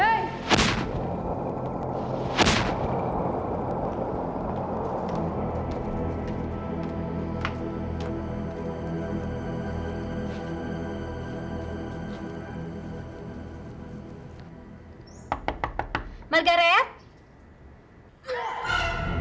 margaret margaret bukan itu